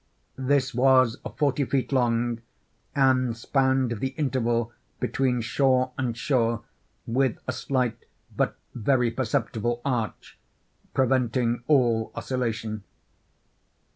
This was forty feet long, and spanned the interval between shore and shore with a slight but very perceptible arch, preventing all oscillation.